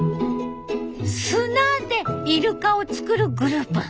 砂でイルカを作るグループ。